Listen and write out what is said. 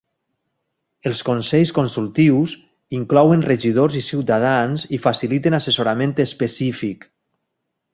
Els consells consultius inclouen regidors i ciutadans i faciliten assessorament específic.